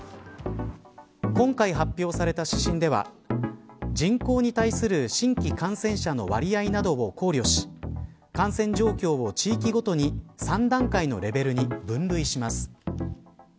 今回発表された指針では人口に対する新規感染者の割合などを考慮し感染状況を地域ごとに３段階のレベルに分類します。